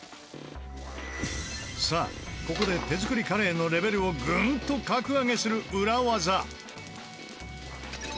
さあここで手作りカレーのレベルをグンと格上げする裏技。